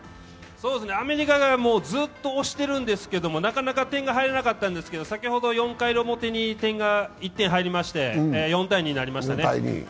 アメリカがずっと押してるんですけど、なかなか点が入らなかったんですけど、先ほど４回の表に１点が入りまして４ー２になりました。